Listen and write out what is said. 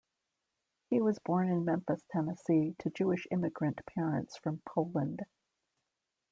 He was born in Memphis, Tennessee, to Jewish immigrant parents from Poland.